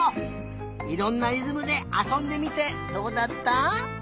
いろんなりずむであそんでみてどうだった？